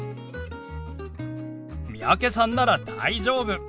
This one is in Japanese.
三宅さんなら大丈夫！